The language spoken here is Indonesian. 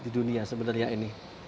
di dunia sebenarnya ini